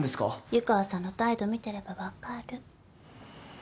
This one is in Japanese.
湯川さんの態度見てればわかる。